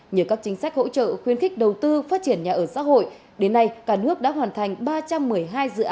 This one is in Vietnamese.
nhờ các chính sách hỗ trợ khuyến khích đầu tư phát triển nhà ở xã hội